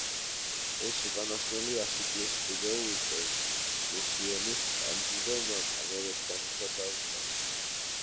ეს უკანასკნელი ასი წლის კუბელ პერკუსიონისტ, კანდიდო კამეროსთან ერთად დაუკრავს.